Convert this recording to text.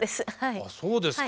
あっそうですか。